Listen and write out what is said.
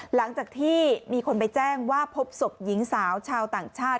หลังจากที่มีคนไปแจ้งว่าพบศพหญิงสาวชาวต่างชาติ